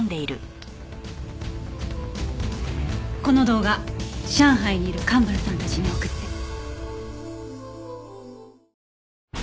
この動画上海にいる蒲原さんたちに送って。